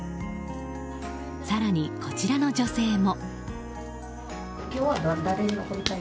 更に、こちらの女性も。